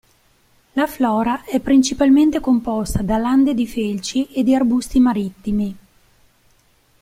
La flora è principalmente composta da lande di felci e di arbusti marittimi.